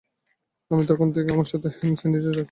আমি তখন থেকেই আমার সাথে হ্যান্ড স্যানিটাইজার রাখি।